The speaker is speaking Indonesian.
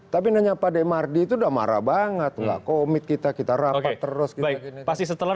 tapi nanya pade mardi tu nou marah banget lu akomit kita kita rapat terus kita pasti setelah